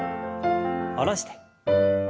下ろして。